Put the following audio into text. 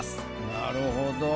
なるほど。